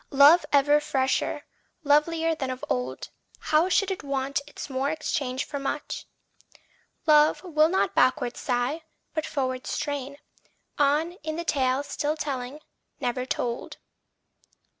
Love ever fresher, lovelier than of old How should it want its more exchanged for much? Love will not backward sigh, but forward strain, On in the tale still telling, never told.